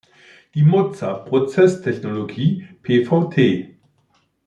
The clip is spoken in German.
Die Mozer Process Technology Pvt.